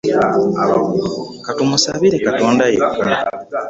Ka tumusabire Katonda yekka.